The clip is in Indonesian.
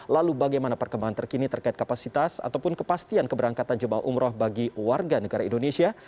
lalu bagaimana perkembangan terkini terkait kapasitas ataupun kepastian keberangkatan jemaah umroh bagi warga negara indonesia